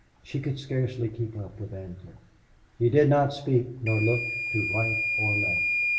She could scarcely keep up with Ancliffe. He did not speak nor look to right or left.